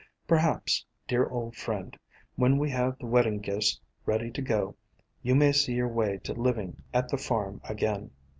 Perhaps, dear old 268 A COMPOSITE FAMILY friend, when we have the wedding gifts ready to go, you may see your way to living at the farm again."